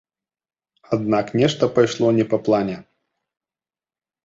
Аднак нешта пайшло не па плане.